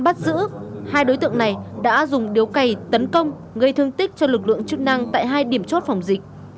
bắt giữ hai đối tượng này đã dùng điếu cày tấn công gây thương tích cho lực lượng chức năng tại hai điểm chốt phòng dịch